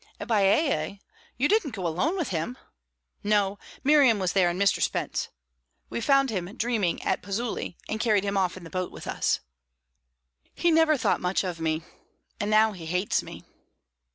"At Baiae? You didn't go alone with him?" "No; Miriam was there and Mr. Spence. We found him dreaming at Pozzuoli, and carried him off in the boat with us." "He never thought much of me, and now he hates me."